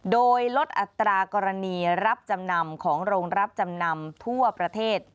โดยลดอัตรากรณีรับจำนำของโรงรับจำนำทั่วประเทศ